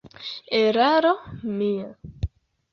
Eraro mia!